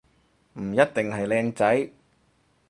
唔一定係靚仔